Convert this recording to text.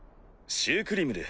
シュークリムル。